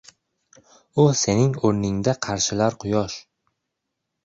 U sening o‘rningda qarshilar quyosh.